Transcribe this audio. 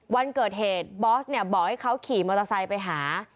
วันเกิดเหตุบอสเนี่ยบอกให้เขาขี่มอเตอร์ไซค์ไปหา